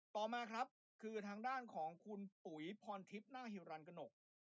ต่อมาครับคือทางด้านของคุณปุ๋ยพรทิพย์นาคฮิวรรณกระหนก